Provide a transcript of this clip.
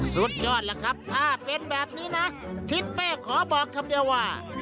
สุดยอดล่ะครับถ้าเป็นแบบนี้นะทิศเป้ขอบอกคำเดียวว่า